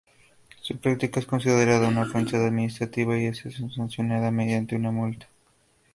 Su práctica es considerada una ofensa administrativa, y es sancionada mediante una multa.